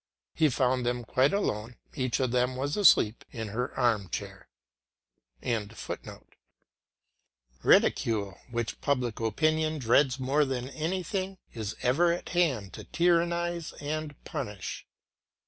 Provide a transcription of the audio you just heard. He found them quite alone; each of them was asleep in her arm chair.] Ridicule, which public opinion dreads more than anything, is ever at hand to tyrannise, and punish.